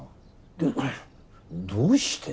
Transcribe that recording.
ど「どうして」？